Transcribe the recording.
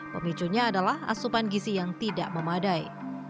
pemicunya adalah asupan gizi yang tidak memadai